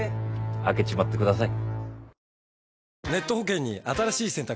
開けちまってください。